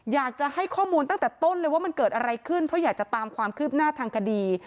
อยากจะให้ข้อมูลตั้งแต่ต้นเลยว่ามันเกิดอะไรขึ้นเพราะอยากจะตามความคืบหน้าทางคดี